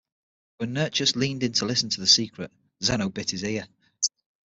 When Nearchus leaned in to listen to the secret, Zeno bit his ear.